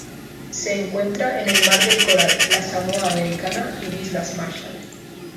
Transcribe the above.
Se encuentra en el Mar del Coral, la Samoa Americana y Islas Marshall.